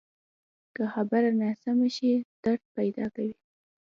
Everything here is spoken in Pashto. که خبره ناسمه شي، درد پیدا کوي